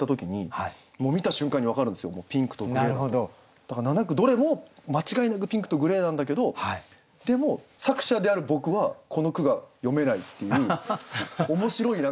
だから７句どれも間違いなく「ピンクとグレー」なんだけどでも作者である僕はこの句が詠めないっていう面白い自分も何か「へえ！